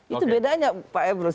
itu bedanya pak imrus